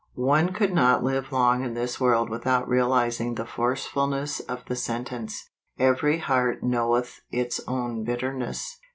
12. One could not live long in this world without realizing the forcefulness of the sentence: "Every heart knoweth its own bitterness.